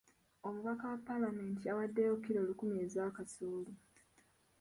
Omubaka wa paalamenti yawaddeyo kilo lukumi ez'akasooli.